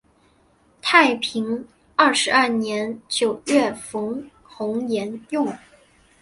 太平二十二年九月冯弘沿用。